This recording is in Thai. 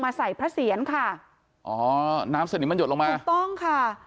ใส่พระเสียรค่ะอ๋อน้ำสนิมมันหยดลงมาถูกต้องค่ะ